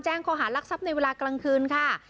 แจ้งขอหารักษัพในเวลากลางคืนค่ะ